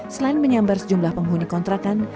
selain menyambar sejumlah penghuni kontrakan